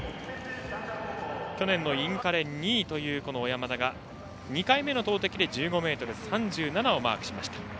去年のインカレ２位という小山田２回目の投てきで１５ｍ３７をマークしました。